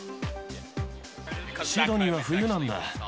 シドニーは冬なんだ。